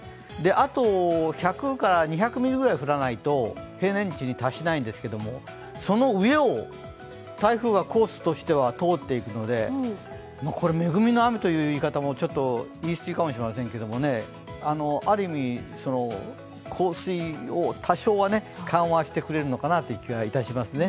あと１００から２００ミリくらい降らないと平年値に達しないんですけれども、その上を台風がコースとしては通っていくので、これ、恵みの雨という言い方もちょっとあれですけれどもある意味、降水を多少は緩和してくれるのかなという気がしますね。